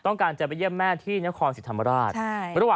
ต้องการจะไปเยี่ยมแม่ที่นครศรีธรรมราช